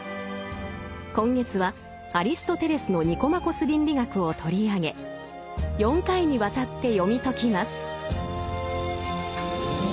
今月はアリストテレスの「ニコマコス倫理学」を取り上げ４回にわたって読み解きます。